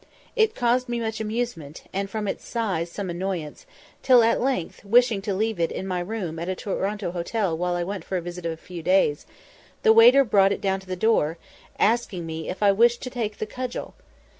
It caused me much amusement, and, from its size, some annoyance, till at length, wishing to leave it in my room at a Toronto hotel while I went for a visit of a few days, the waiter brought it down to the door, asking me "if I wished to take the _cudgel?